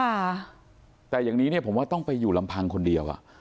ค่ะแต่อย่างนี้เนี่ยผมว่าต้องไปอยู่ลำพังคนเดียวอ่ะ